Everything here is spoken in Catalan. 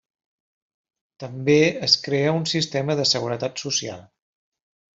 També es crea un sistema de seguretat social.